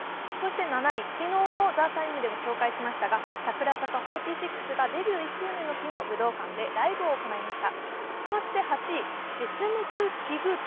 ７位、昨日の「ＴＨＥＴＩＭＥ，」でも紹介しましたが、櫻坂４６が昨日ライブを行いました。